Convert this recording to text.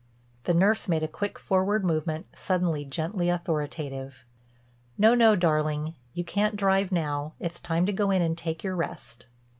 The nurse made a quick forward movement, suddenly gently authoritative: "No, no, darling. You can't drive now. It's time to go in and take jour rest."